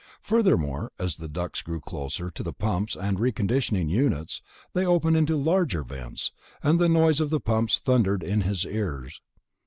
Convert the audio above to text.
Furthermore, as the ducts drew closer to the pumps and reconditioning units, they opened into larger vents, and the noise of the pumps thundered in his ears.